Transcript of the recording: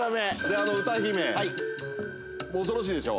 あの歌姫恐ろしいでしょ